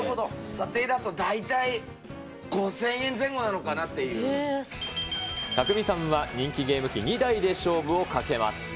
査定だと大体５０００円前後なのたくみさんは、人気ゲーム機２台で勝負をかけます。